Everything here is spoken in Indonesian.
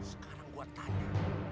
sekarang gua tanya